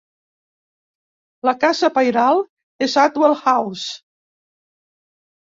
La casa pairal és Adwell House.